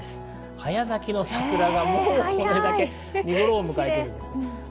早咲きの桜がもうこれだけ見頃を迎えています。